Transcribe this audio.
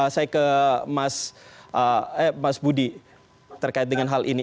saya ke mas budi terkait dengan hal ini